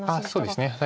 そうですね。